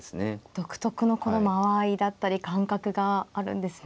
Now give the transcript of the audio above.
独特のこの間合いだったり感覚があるんですね。